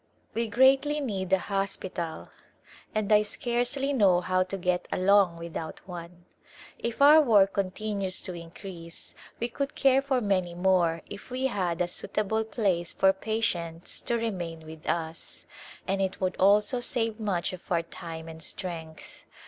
We greatly need a hospital and I scarcely know how to get along without one. If our work con tinues to increase we could care for many more if we had a suitable place for patients to remain with us, and it would also save much of our time and strength.